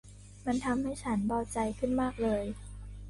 มันทำให้ฉันเบาใจขึ้นมากเลย